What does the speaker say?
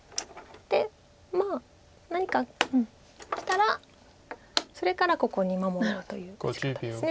でまあ何かきたらそれからここに守ろうという打ち方です。